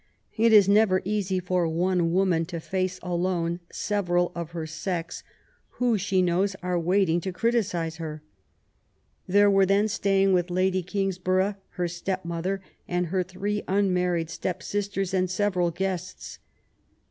It is never easy for one woman to face alone several of her sex, who, she knows, are waiting to criticise her. There were then staying with Lady Sangsborough her step mother and her three un married step sisters and several guests.